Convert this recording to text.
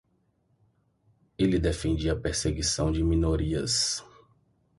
Ele defendia a perseguição de minorias